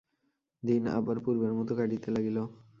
দিন আবার পূর্বের মতো কাটিতে লাগিল।